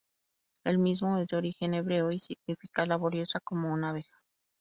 El mismo es de origen hebreo y significa "laboriosa como una abeja".